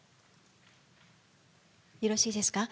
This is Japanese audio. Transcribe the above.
よろしいですか。